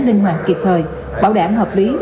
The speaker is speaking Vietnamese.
linh hoạt kịp thời bảo đảm hợp lý